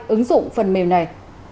ứng dụng phần mềm này